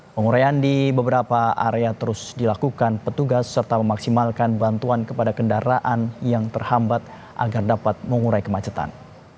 pengurayan di beberapa area terus dilakukan petugas serta memaksimalkan bantuan kepada kendaraan yang terhambat agar dapat mengurai kemacetan